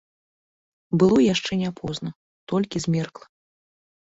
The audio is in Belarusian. Было яшчэ не позна, толькі змеркла.